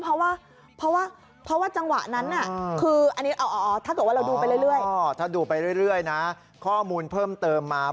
เพราะว่าจังหวะนั้นถ้าเกิดว่าเราดูไปเรื่อยนะข้อมูลเพิ่มเติมมา